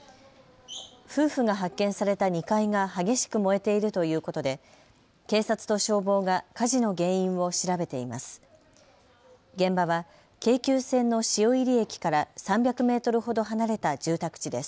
夫婦が発見された２階が激しく燃えているということで警察と消防が火事の原因を調べています。